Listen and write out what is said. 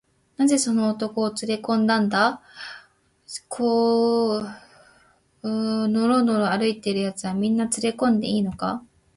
「なぜその男をつれこんだんだ？小路をのろのろ歩いているやつは、みんなつれこんでいいのか？」